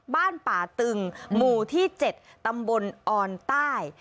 บ้านป่าตึงหมู่ที่๗ตำบลออนใต้